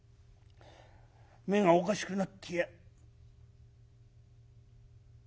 目がおかしくなっていや」。